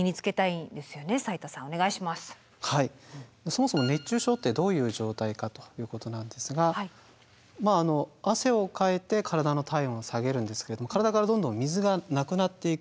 そもそも熱中症ってどういう状態かということなんですがまあ汗をかいて体の体温を下げるんですけれども体からどんどん水がなくなっていく状況ですね。